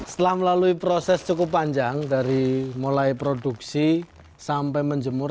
setelah melalui proses cukup panjang dari mulai produksi sampai menjemur